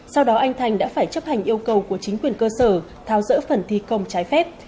sau đó anh thành đã phải chấp hành yêu cầu của chính quyền cơ sở tháo rỡ phần thi công trái phép